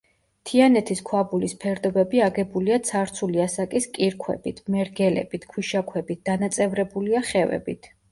თიანეთის ქვაბულის ფერდობები აგებულია ცარცული ასაკის კირქვებით, მერგელებით, ქვიშაქვებით, დანაწევრებულია ხევებით.